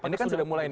ini kan sudah mulai